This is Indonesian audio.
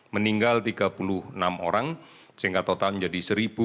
meninggal tiga puluh enam orang sehingga total menjadi satu sembilan ratus lima puluh sembilan